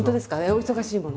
お忙しいものね。